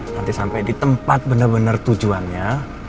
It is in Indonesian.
nanti sampai di tempat benar benar tujuannya